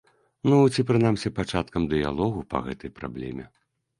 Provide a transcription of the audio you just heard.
Ну ці прынамсі пачаткам дыялогу па гэтай праблеме.